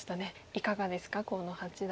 いかがですか河野八段。